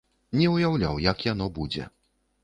Не ўяўляў, як яно будзе.